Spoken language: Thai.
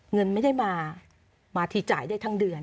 เงินไม่ได้มามาทีจ่ายได้ทั้งเดือน